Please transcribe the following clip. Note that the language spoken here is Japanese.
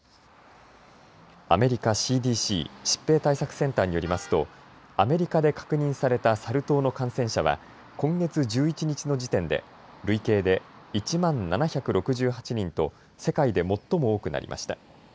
アメリカＣＤＣ・疾病対策センターによりますとアメリカで確認されたサル痘の感染者は今月１１日の時点で累計で１万７６８人と世界で最も多くなりました。